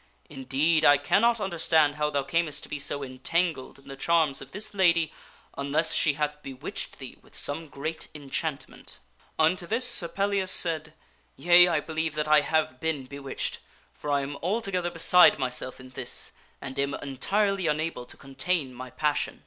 Indeed, I cannot understand how thou earnest to be so entangled in the charms of ^ this lady unless she hat! bewitched thee with some great enchantment." 258 THE STORY OF SIR PELLIAS Unto this Sir Pellias said, "Yea, I believe that I have been bewitched, for I am altogether beside myself in this, and am entirely unable to con tain my passion."